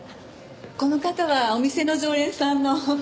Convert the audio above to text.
この方はお店の常連さんの。